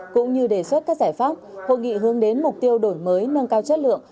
cũng như đề xuất các giải pháp hội nghị hướng đến mục tiêu đổi mới nâng cao chất lượng